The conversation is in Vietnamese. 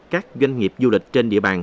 các doanh nghiệp du lịch trên địa bàn